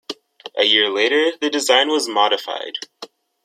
A year later, the design was modified.